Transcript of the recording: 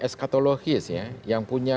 eskatologis ya yang punya